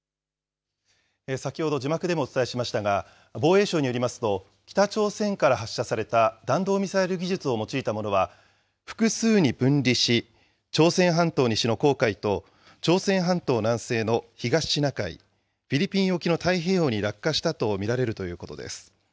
先ほど字幕でもお伝えしましたが、防衛省によりますと、北朝鮮から発射された弾道ミサイル技術を用いたものは、複数に分離し、朝鮮半島西の黄海と、朝鮮半島南西の東シナ海、フィリピン沖の太平洋に落下したと見られるということです。